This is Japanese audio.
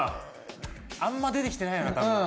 あんま出てきてないよなたぶん。